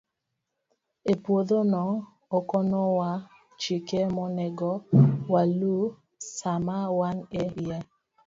E puodhono, okonowa chike monego waluw sama wan e iye.